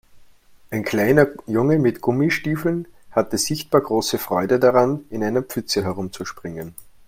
Ein kleiner Junge mit Gummistiefeln hatte sichtbar große Freude daran, in einer Pfütze herumzuspringen.